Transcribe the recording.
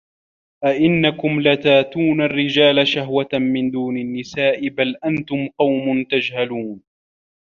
أَئِنَّكُم لَتَأتونَ الرِّجالَ شَهوَةً مِن دونِ النِّساءِ بَل أَنتُم قَومٌ تَجهَلونَ